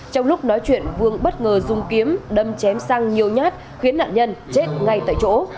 trong lúc nói chuyện vương bất ngờ dùng kiếm đâm chém sang nhiều nhát khiến nạn nhân chết ngay tại chỗ